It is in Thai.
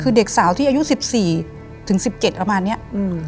คือเด็กสาวที่อายุสิบสี่ถึงสิบเจ็ดประมาณเนี้ยอืม